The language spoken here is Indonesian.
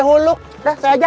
hulu udah saya aja